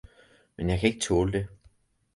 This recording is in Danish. Men jeg kan ikke tåle det